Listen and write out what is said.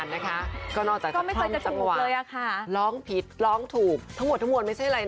น่าจะตื่นเต้นอย่างที่ว่า